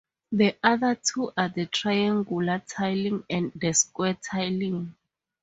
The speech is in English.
The other two are the triangular tiling and the square tiling.